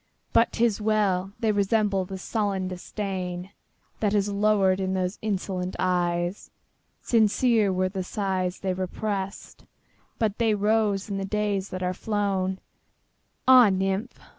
But 't is well!—they resemble the sullen disdainThat has lowered in those insolent eyes. Sincere were the sighs they represt, But they rose in the days that are flown! Ah, nymph!